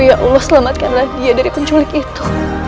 ya allah selamatkanlah dia dari penculik itu